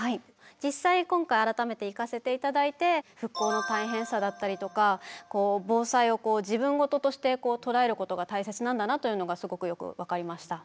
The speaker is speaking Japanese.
実際今回改めて行かせて頂いて復興の大変さだったりとか防災を自分事として捉えることが大切なんだなというのがすごくよく分かりました。